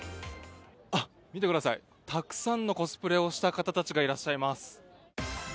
見てください、たくさんのコスプレをした方たちがいます。